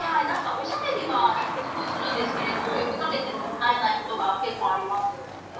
なんかおしゃべりはすごいするんですけれども呼びかけても答えないことが結構あります。